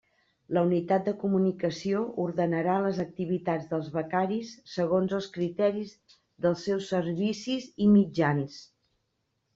La Unitat de Comunicació ordenarà les activitats dels becaris segons els criteris dels seus servicis i mitjans.